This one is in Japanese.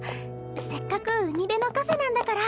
せっかく海辺のカフェなんだから。